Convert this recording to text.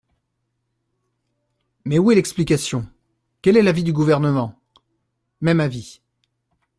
Mais où est l’explication ? Quel est l’avis du Gouvernement ? Même avis.